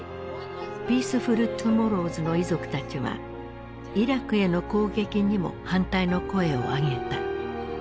「ピースフル・トゥモローズ」の遺族たちはイラクへの攻撃にも反対の声を上げた。